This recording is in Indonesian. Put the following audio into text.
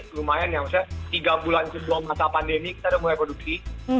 ya misalnya tiga bulan sebelum masa pandemi kita udah mulai produksi